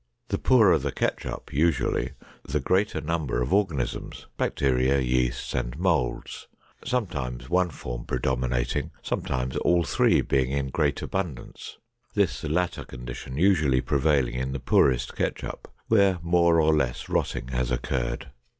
The poorer the ketchup, usually, the greater number of organisms—bacteria, yeasts, and molds; sometimes one form predominating, sometimes all three being in great abundance, this latter condition usually prevailing in the poorest ketchup, where more or less rotting has occurred.